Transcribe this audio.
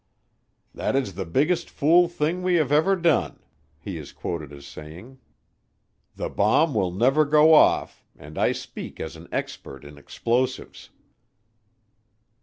"That is the biggest fool thing we have ever done," he is quoted as saying. "The bomb will never go off, and I speak as an expert in explosives."